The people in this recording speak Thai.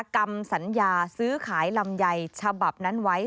กรรมสัญญาซื้อขายลำไยฉบับนั้นไว้